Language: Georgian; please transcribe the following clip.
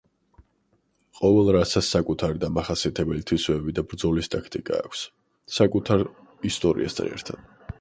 ყოველ რასას საკუთარი დამახასიათებელი თვისებები და ბრძოლის ტაქტიკა აქვს, საკუთარ ისტორიასთან ერთად.